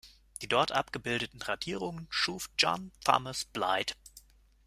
Die dort abgebildeten Radierungen schuf John Thomas Blight.